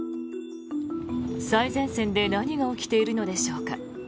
最前線で何が起きているのでしょうか。